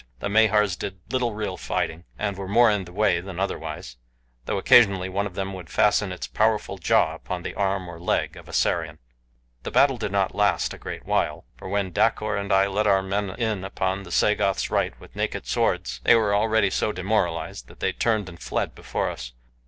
The Mahars did little real fighting, and were more in the way than otherwise, though occasionally one of them would fasten its powerful jaw upon the arm or leg of a Sarian. The battle did not last a great while, for when Dacor and I led our men in upon the Sagoth's right with naked swords they were already so demoralized that they turned and fled before us.